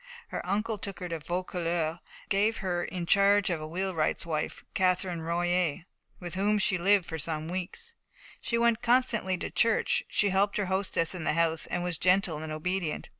Her uncle took her to Vaucouleurs, and gave her in charge of a wheelwright's wife, Catherine Royer, with whom she lived for some weeks. She went constantly to church, she helped her hostess in the house, and was gentle and obedient.